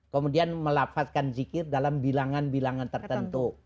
kemudian melafatkan zikir dalam bilangan bilangan tertentu